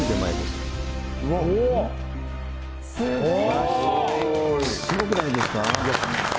すごくないですか？